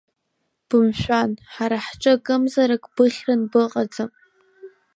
Бымшәан, ҳара ҳҿы акымзарак быхьран быҟаӡам.